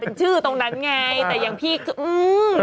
เป็นชื่อตรงนั้นไงแต่อย่างพี่ก็อืม